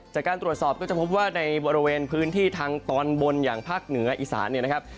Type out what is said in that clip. จากการตรวจสอบก็จะพบว่าในบริเวณพื้นที่ทางตอนบนอย่างภาคเหนืออีสานเนี่ยนะครับ